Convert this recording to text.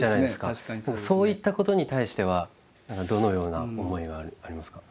そういったことに対してはどのような思いがありますか？